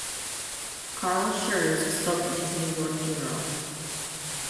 Carl Schurz spoke at his New York funeral.